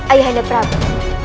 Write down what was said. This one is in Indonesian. ayah handa prabu